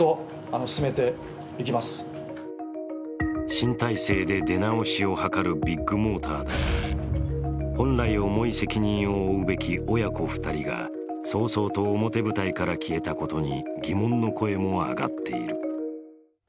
新体制で出直しを図るビッグモーターだが本来重い責任を負うべき親子２人が早々と表舞台から消えたことに疑問の声も上がっている。